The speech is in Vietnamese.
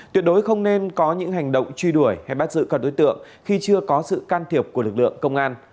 tuyệt đối không nên có những hành động truy đuổi hay bắt giữ các đối tượng khi chưa có sự can thiệp của lực lượng công an